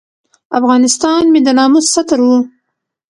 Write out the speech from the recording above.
افغانستان مې د ناموس ستر و.